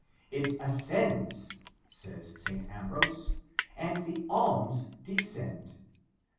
"It ascends," says St. Ambrose, "and the alms descend."